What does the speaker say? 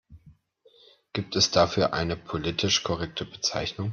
Gibt es dafür eine politisch korrekte Bezeichnung?